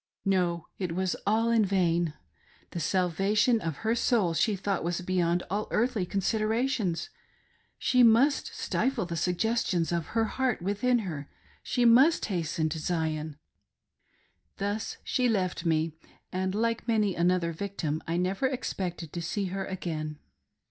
No ; it was all in vain. The sal vation of her soul she thought was beyond all earthly con siderations ; she must stifle the suggestions of her heart within her ; she must hasten to Zion. Thus she left me, and like many another victim, I never expected to see her again.